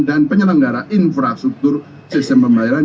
dan penyelenggara infrastruktur sistem pembayaran